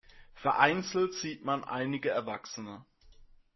Vereinzelt sieht man einige Erwachsene.